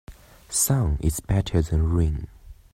Sun is better than rain.